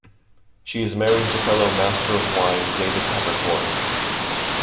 She is married to fellow Master of Wine David Peppercorn.